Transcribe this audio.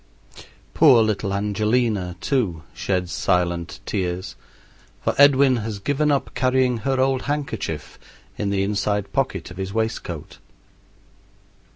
Poor little Angelina, too, sheds silent tears, for Edwin has given up carrying her old handkerchief in the inside pocket of his waistcoat.